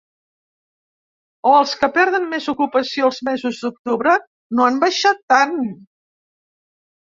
O els que perden més ocupació els mesos d’octubre no han baixat tant?